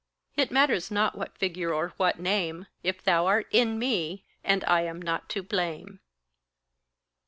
It matters not what figure or what name, If thou art in me, and I am not to blame.